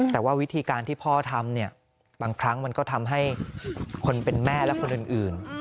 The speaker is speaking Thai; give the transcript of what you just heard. แต่ว่าวิธีการที่พ่อทำเนี่ยบางครั้งมันก็ทำให้คนเป็นแม่และคนอื่น